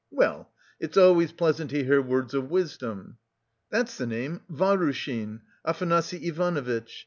Well, it's always pleasant to hear words of wisdom." "That's the gentleman, Vahrushin, Afanasy Ivanovitch.